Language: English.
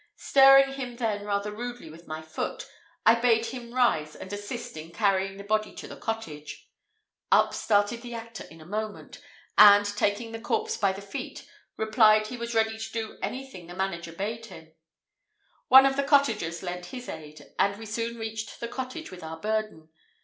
Stirring him then rather rudely with my foot, I bade him rise and assist in carrying the body to the cottage. Up started the actor in a moment, and, taking the corpse by the feet, replied he was ready to do anything the manager bade him: one of the cottagers lent his aid, and we soon reached the cottage with our burden.